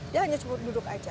dia hanya cukup duduk saja